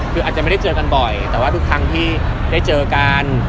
คืออาจจะไม่ได้เจอกันบ่อยแต่ว่าทุกครั้งที่ได้เจอกัน